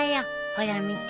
ほら見て。